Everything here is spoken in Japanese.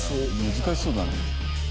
難しそうだね。